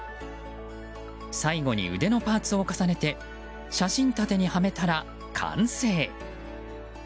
最後に腕のパーツを重ねて写真立てにはめたら完成。